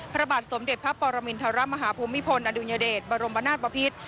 พระบาทสมเด็จพระปรมินทรมาฮภูมิพลอดุญเดชบรมนาศบพิษ